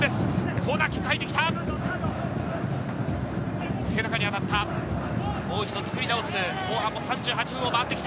コーナーキックが入ってきた。